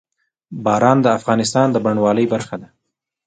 باران د افغانستان د بڼوالۍ برخه ده.